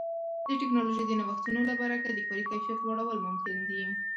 د ټکنالوژۍ د نوښتونو له برکه د کاري کیفیت لوړول ممکن دي.